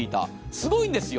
すごいんですよ。